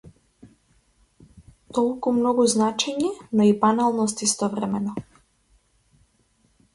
Толку многу значење, но и баналност истовремено.